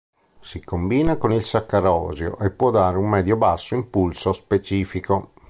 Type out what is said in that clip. Si combina con il saccarosio e può dare un medio-basso impulso specifico.